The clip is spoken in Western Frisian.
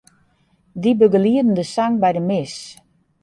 Dy begelieden de sang by de mis.